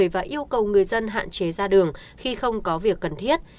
và yêu cầu người dân hạn chế ra đường khi không có việc cần thiết